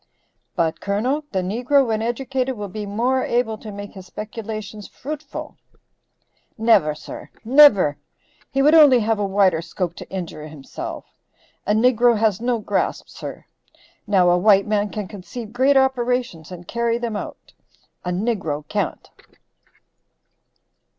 "But, Colonel, the negro when educated will be more able to make his speculations fruitful." "Never, sir, never. He would only have a wider scope to injure himself. A niggro has no grasp, sir. Now, a white man can conceive great operations, and carry them out; a niggro can't."